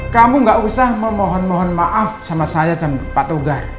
kamu gak usah memohon mohon maaf sama saya dan pak togar